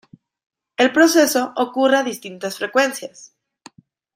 El proceso ocurre a distintas frecuencias.